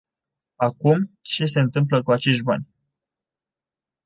Acum, ce se întâmplă cu acești bani?